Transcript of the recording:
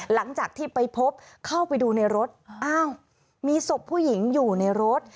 หลังจากที่ไปพบเข้าไปดูในรถอ้าวมีศพผู้หญิงอยู่ในรถ